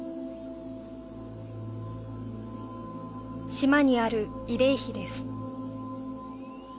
島にある慰霊碑です